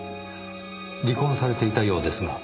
離婚されていたようですが。